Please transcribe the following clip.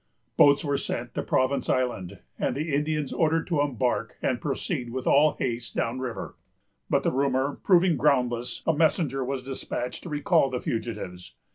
Boats were sent to Province Island, and the Indians ordered to embark and proceed with all haste down the river; but, the rumor proving groundless, a messenger was despatched to recall the fugitives.